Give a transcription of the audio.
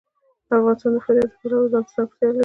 افغانستان د فاریاب د پلوه ځانته ځانګړتیا لري.